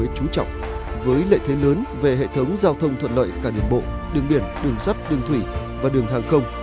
thừa thiên huế trú trọng với lệ thế lớn về hệ thống giao thông thuận lợi cả điểm bộ đường biển đường sắt đường thủy và đường hàng không